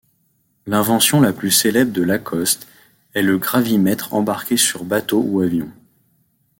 L’invention la plus célèbre de LaCoste est le gravimètre embarqué sur bateau ou avion.